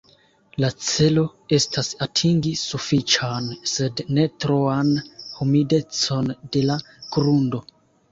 La celo estas atingi sufiĉan sed ne troan humidecon de la grundo.